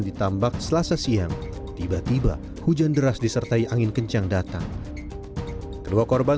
ditambak selasa siang tiba tiba hujan deras disertai angin kencang datang kedua korban